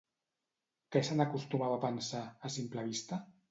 Què se n'acostumava a pensar, a simple vista?